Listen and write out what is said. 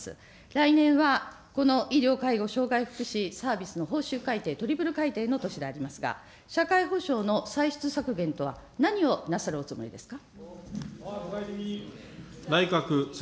来年はこの医療、介護、生涯福祉サービスの報酬改定、トリプル改定の年でありますが、社会保障の歳出削減とは、何をなさるおつもりですか。